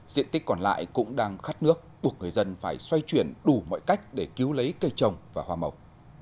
diện tích còn lại cũng đang khắt nước buộc người dân phải xoay chuyển đủ mọi cách để cứu lấy cây trồng và hoa mộc